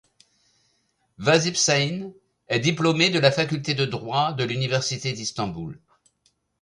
Vasip Şahin est diplômé de la faculté de droit de l'université d'Istanbul.